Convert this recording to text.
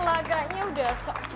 laganya udah seocok pendek sih